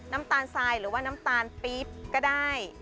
น้ำตาลทรายหรือว่าน้ำตาลปี๊บก็ได้